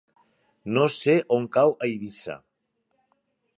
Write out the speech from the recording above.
No sé on cau Eivissa.